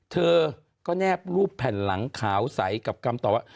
เธอก็แนบรูปแผ่นหลังขาวใสกับคำตอบว่า